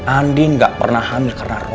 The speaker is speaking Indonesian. andien gak pernah hamil karena roy